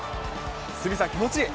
鷲見さん、気持ちいい。